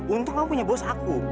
untung kamu punya bos aku